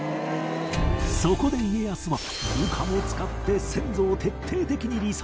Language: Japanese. そこで家康は部下も使って先祖を徹底的にリサーチ